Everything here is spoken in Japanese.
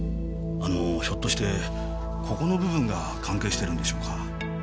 あのひょっとしてここの部分が関係してるんでしょうか。